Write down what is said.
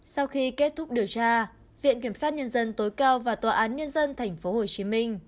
sau khi kết thúc điều tra viện kiểm sát nhân dân tối cao và tòa án nhân dân tp hồ chí minh